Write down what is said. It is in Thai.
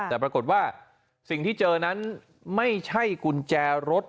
แต่ปรากฏว่าสิ่งที่เจอนั้นไม่ใช่กุญแจรถ